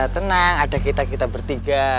tenang ada kita kita bertiga